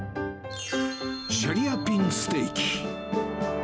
シャリアピンステーキ。